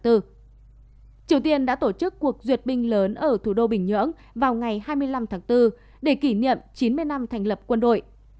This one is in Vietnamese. triều tiên đã tổ chức cuộc duyệt binh lớn ở thủ đô bình nhưỡng vào ngày hai mươi năm tháng bốn để kỷ niệm chín mươi năm thành lập quân đội